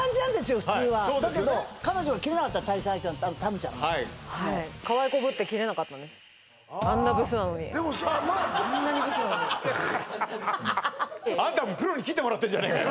普通はだけど彼女が切れなかった対戦相手のたむちゃんがはいあんなにブスなのにアンタもプロに切ってもらってんじゃねえかよ